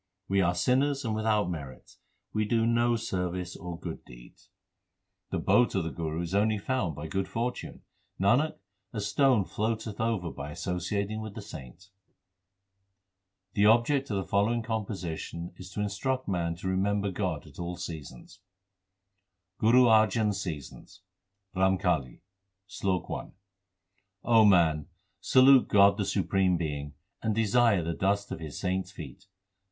We are sinners and without merits ; We do no service or good deeds. 1 Literally the large bead in a rosary. HYMNS OF GURU ARJAN 407 The boat of the Guru is only found by good fortune. Nanak, a stone floateth over by associating with the saint. The object of the following composition is to in struct man to remember God at all seasons : GURU ARJAN S SEASONS RAMKALI SLOK I O man, salute God the Supreme Being, and desire the dust of His saints feet.